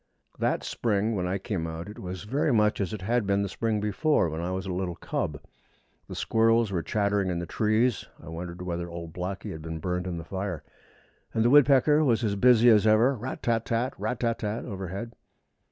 That spring when I came out it was very much as it had been the spring before, when I was a little cub. The squirrels were chattering in the trees (I wondered whether old Blacky had been burned in the fire), and the woodpecker was as busy as ever rat tat tat tat! rat tat tat tat! overhead.